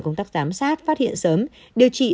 công tác giám sát phát hiện sớm điều trị